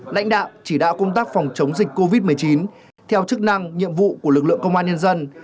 lãnh đạo chỉ đạo công tác phòng chống dịch covid một mươi chín theo chức năng nhiệm vụ của lực lượng công an nhân dân